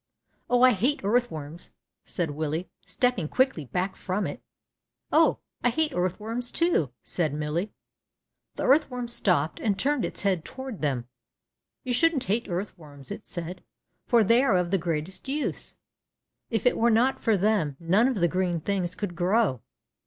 Oh ! I hate earthworms/' said Willie, stepping quickly back from it. Oh ! I hate earthworms, too," said Millie. The earthworm stopped and turned its head toward them. ^^You shouldn't hate earthworms," it said, for they are of the greatest use. If it were not for them none of the green things could grow.